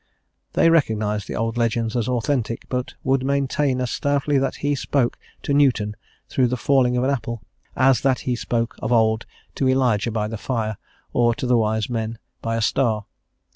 They recognise the old legends as authentic, but would maintain as stoutly that He spoke to Newton through the falling of an apple, as that He spoke of old to Elijah by fire, or to the wise men by a star.